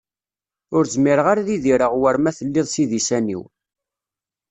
Ur zmireɣ ara ad idireɣ war ma telliḍ s idisan-iw.